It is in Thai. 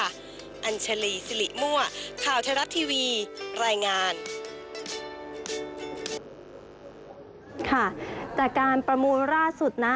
ค่ะแต่การประมูลล่าสุดนะ